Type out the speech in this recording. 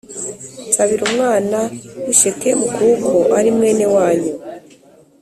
nsabira umwami w’ shekemu kuko ari mwene wanyu